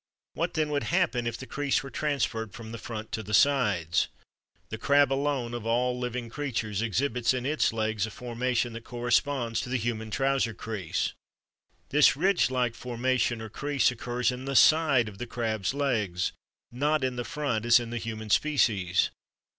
What then would happen if the crease were transferred from the front to the sides? The Crab alone of all living creatures exhibits in its legs a formation that corresponds to the human trouser crease. This ridge like formation or crease occurs in the side of the Crab's legs, not in the front as in the human species!